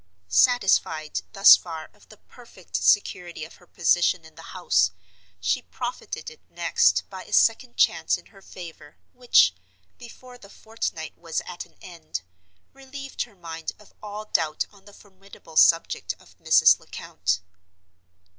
Satisfied, thus far, of the perfect security of her position in the house, she profited next by a second chance in her favor, which—before the fortnight was at an end—relieved her mind of all doubt on the formidable subject of Mrs. Lecount.